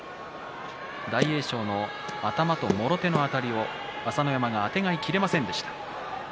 大栄翔のもろ手のあたりを朝乃山があてがいきれませんでした。